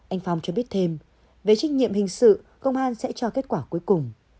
anh phong cho biết thêm về trách nhiệm hình sự công an sẽ cho kết quả cuối cùng